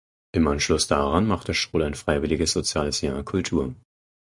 Im Anschluss daran machte Schroth ein freiwilliges soziales Jahr Kultur.